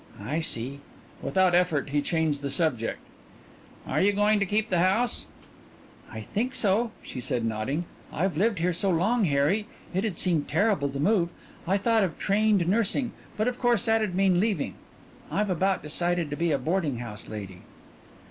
"I see." Without effort he changed the subject. "Are you going to keep the house?" "I think so," she said, nodding. "I've lived here so long, Harry, it'd seem terrible to move. I thought of trained nursing, but of course that'd mean leaving. I've about decided to be a boarding house lady."